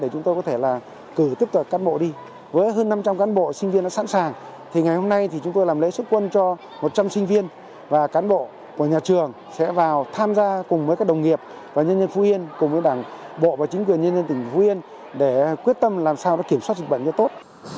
chúng tôi có thể là cử tiếp tục cán bộ đi với hơn năm trăm linh cán bộ sinh viên đã sẵn sàng thì ngày hôm nay thì chúng tôi làm lễ xuất quân cho một trăm linh sinh viên và cán bộ của nhà trường sẽ vào tham gia cùng với các đồng nghiệp và nhân dân phú yên cùng với đảng bộ và chính quyền nhân dân tỉnh phú yên để quyết tâm làm sao đó kiểm soát dịch bệnh cho tốt